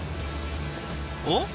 おっ？